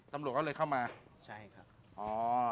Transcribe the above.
ตำรวจก็เลยเข้ามาใช่ครับอ๋อ